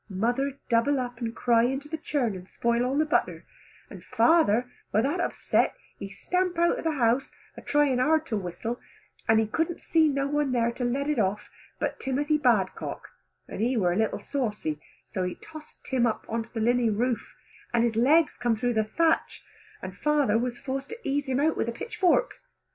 Mother double up, and cry into the churn, and spoil all the butter; and father were that upset he stamp out of the house a trying hard to whistle, and he couldn't see no one there to let it off on but Timothy Badcock, and he were a little saucy, so he toss Tim up on the linhay roof and his legs come through the thatch, and father was forced to ease him out with the pitchfork.